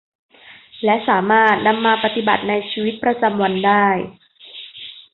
และสามารถนำมาปฏิบัติในชีวิตประจำวันได้